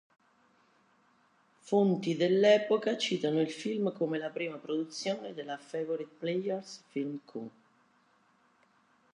Fonti dell'epoca citano il film come la prima produzione della Favorite Players Film Co.